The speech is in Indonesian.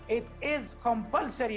ini adalah kompulsif pada kita